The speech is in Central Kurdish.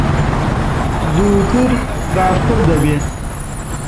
زووتر باشتر دەبێت.